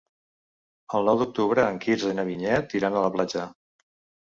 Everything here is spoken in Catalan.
El nou d'octubre en Quirze i na Vinyet iran a la platja.